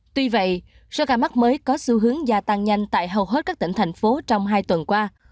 tuy vậy số ca mắc mới có xu hướng gia tăng nhanh tại hầu hết các tỉnh thành phố trong hai tuần qua